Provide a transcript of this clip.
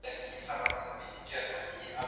ځینې وخت د خلکو چلند اټکل کیدای سي.